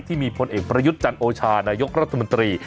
พลเอกประยุทธ์จันโอชานายกรัฐมนตรี